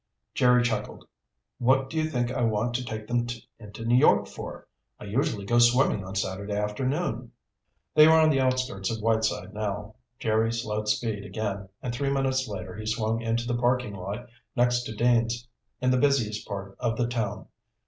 Jerry chuckled. "What do you think I want to take them into New York for? I usually go swimming on Saturday afternoon." They were at the outskirts of Whiteside now. Jerry slowed speed again, and three minutes later he swung into the parking lot next to Dean's, in the busiest part of the town.